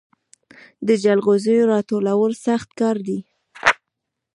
د جلغوزیو راټولول سخت کار دی